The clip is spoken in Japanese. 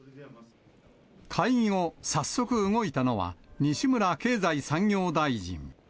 会議後、早速動いたのは、西村経済産業大臣。